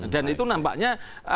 dan itu nampaknya